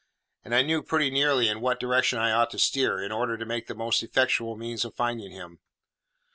And I knew pretty nearly in what direction I ought to steer, in order to take the most effectual means of finding him.